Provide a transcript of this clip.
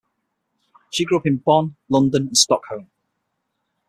She grew up in Bonn, London and Stockholm.